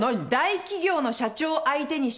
大企業の社長を相手にしてるの。